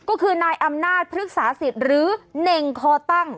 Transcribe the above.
ก็คือนายอำนาจพฤกษาศิษย์หรือเน่งคอตั้ง